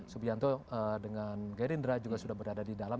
subianto dengan gerindra juga sudah berada di dalam